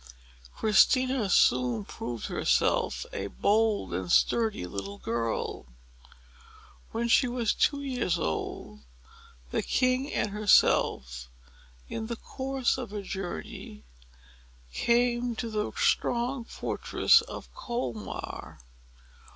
Christina soon proved herself a bold and sturdy little girl. When she was two years old, the king and herself, in the course of a journey, came to the strong fortress of Colmar.